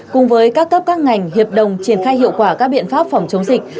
cùng với các cấp các ngành hiệp đồng triển khai hiệu quả các biện pháp phòng chống dịch